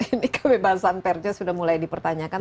ini kebebasan perja sudah mulai dipertanyakan